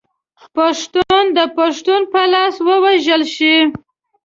پښتون د پښتون په لاس ووژل شي.